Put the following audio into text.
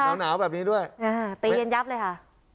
เค้าหนาวแบบนี้ด้วยอ่าไปเย็นยับเลยค่ะโอ้โห